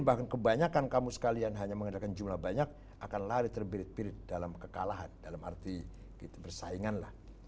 bahkan kebanyakan kamu sekalian hanya mengadakan jumlah banyak akan lari terbirit pirit dalam kekalahan dalam arti bersaingan lah